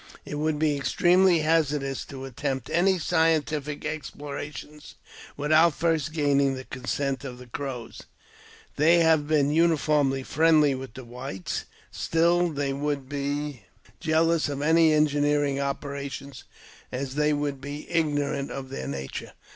It would be extremely hazardous to attempt any scientific explorations without first gaining the consent of the Crows. They have been uniformly friendly with the whites ; still, they 19 ecfc ed|| 01 290 AUTOBIOGBAPHY OF would be jealous of any engineering operations, as they would be ignorant of their nature.